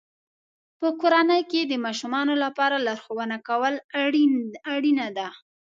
په کورنۍ کې د ماشومانو لپاره لارښوونه کول اړینه ده.